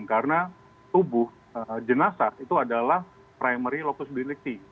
karena tubuh jenazah itu adalah primary locus bilis